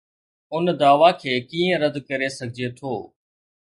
ان دعويٰ کي ڪيئن رد ڪري سگهجي ٿو؟